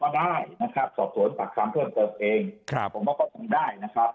ได้นะครับสอบสวนปากคำเพิ่มเติมเองครับผมว่าก็คงได้นะครับ